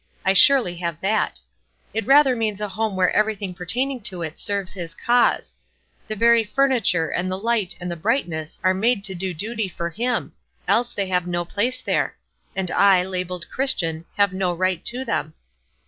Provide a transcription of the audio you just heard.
"I surely have that. It rather means a home where everything pertaining to it serves His cause. The very furniture and the light and the brightness are made to do duty for Him, else they have no place there; and I, labelled Christian, have no right to them.